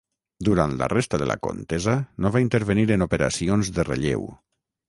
Durant la resta de la contesa no va intervenir en operacions de relleu.